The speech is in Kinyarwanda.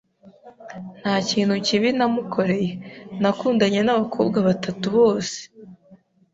nta kintu kibi namukoreye, nakundanye n’abakobwa batatu bose